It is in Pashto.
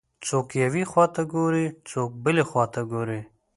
څوک یوې خواته ګوري، څوک بلې خواته ګوري.